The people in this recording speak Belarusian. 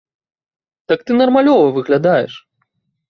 Так ты нармалёва выглядаеш.